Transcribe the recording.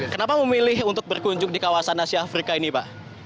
kenapa memilih untuk berkunjung di kawasan asia afrika ini pak